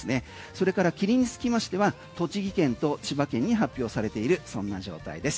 それから霧につきましては栃木県と千葉県に発表されているそんな状態です。